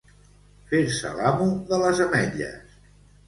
Fer-se l'amo de les ametlles.